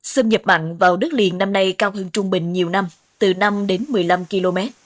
xâm nhập mặn vào đất liền năm nay cao hơn trung bình nhiều năm từ năm đến một mươi năm km